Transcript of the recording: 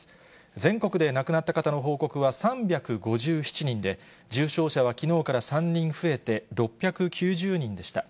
全国で亡くなった方の報告は３５７人で、重症者はきのうから３人増えて６９０人でした。